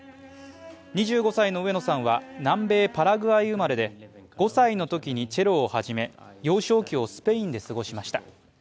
２５歳の上野さんは南米パラグアイ生まれで５歳のときにチェロを始め、幼少期をスペインで過ごしました。